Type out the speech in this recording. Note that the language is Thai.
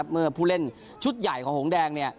เมื่อผู้เล่นชุดใหญ่ของหงแดง